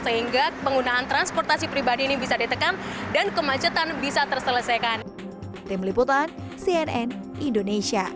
sehingga penggunaan transportasi pribadi ini bisa ditekan dan kemacetan bisa terselesaikan